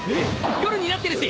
夜になってるし！